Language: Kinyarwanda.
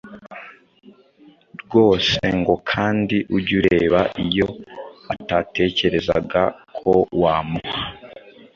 rwose ngo kandi ujye ureba iyo atatekerezaga ko wamuha